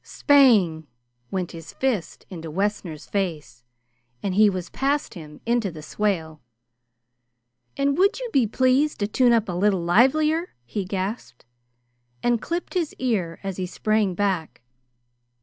SPANG! went his fist into Wessner's face, and he was past him into the swale. "And would you be pleased to tune up a little livelier?" he gasped, and clipped his ear as he sprang back.